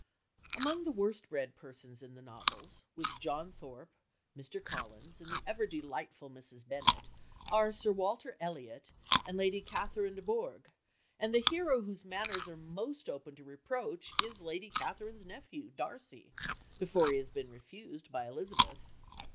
Among the worst bred persons in the novels, with John Thorpe, Mr. Collins, and the ever delightful Mrs. Bennet, are Sir Walter Elliot and Lady Catherine de Bourgh, and the hero whose manners are most open to reproach is Lady Catherine's nephew, Darcy before he has been refused by Elizabeth.